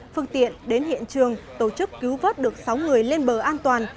phương tiện đến hiện trường tổ chức cứu vớt được sáu người lên bờ an toàn